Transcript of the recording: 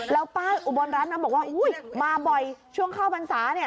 แล้วป้าอุบลรัฐนี่มันบอกว่าโอ้โฮยมาบ่อยช่วงเข้าพรรษา